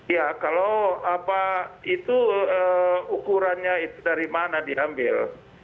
ya kalau apa itu ukurannya itu dari mana diambil